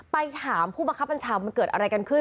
ไปถามผู้บังคับบัญชามันเกิดอะไรกันขึ้น